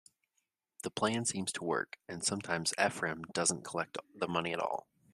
The plan seems to work, and sometimes Ephram doesn't collect the money at all.